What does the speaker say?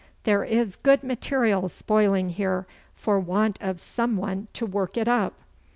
There is good material spoiling here for want of some one to work it up.